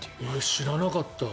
知らなかった。